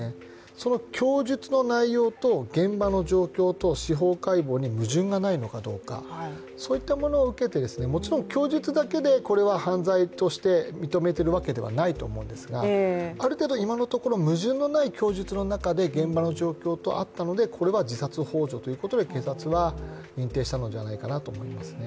その供述の内容と、現場の状況と司法解剖に矛盾がないのかどうかそういったものを受けて、もちろん供述だけでこれは犯罪として認めているわけではないと思うんですがある程度、今のところ矛盾のない供述の中で現場の状況と合ったので、これは自殺ほう助ということで警察は認定したのではないかと思いますね。